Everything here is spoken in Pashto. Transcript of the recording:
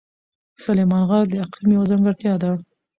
سلیمان غر د اقلیم یوه ځانګړتیا ده.